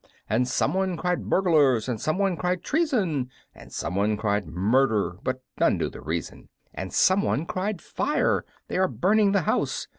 And some one cried "Burglars!" and some one cried "Treason!" And some one cried "Murder!" but none knew the reason; And some one cried "Fire! they are burning the house!"